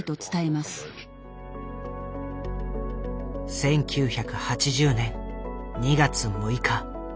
１９８０年２月６日。